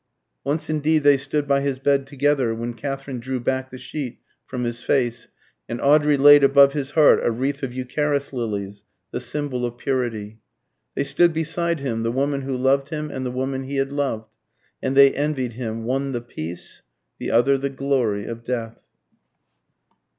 Once indeed they stood by his bed together, when Katherine drew back the sheet from his face, and Audrey laid above his heart a wreath of eucharis lilies, the symbol of purity. They stood beside him, the woman who loved him and the woman he had loved; and they envied him, one the peace, the other the glory of death.